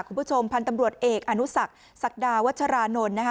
คุณผู้ชมพันธ์ตำรวจเอกอนุสักศักดาวัชรานนท์นะคะ